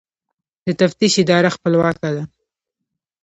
د تفتیش اداره خپلواکه ده؟